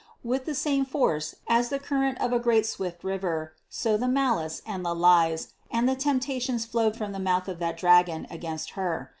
With the same force as the current of a great swift river, so the malice, and the lies, and the temptations flowed from the mouth of that dragon against Her.